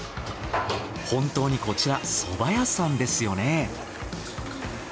本当にこちら蕎麦屋さんですよね？